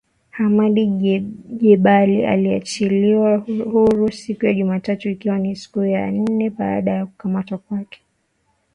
Hamadi Jebali aliachiliwa huru siku ya Jumatatu ikiwa ni siku ya nne baada ya kukamatwa kwake.